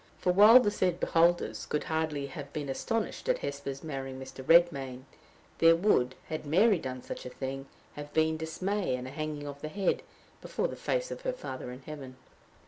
For, while the said beholders could hardly have been astonished at Hesper's marrying Mr. Redmain, there would, had Mary done such a thing, have been dismay and a hanging of the head before the face of her Father in heaven.